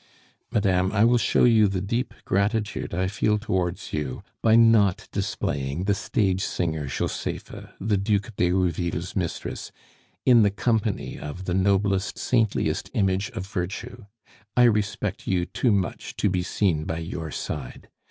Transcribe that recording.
"Madame, I will show you the deep gratitude I feel towards you by not displaying the stage singer Josepha, the Duc d'Herouville's mistress, in the company of the noblest, saintliest image of virtue. I respect you too much to be seen by your side.